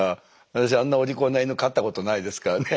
私あんなお利口なイヌ飼ったことないですからね。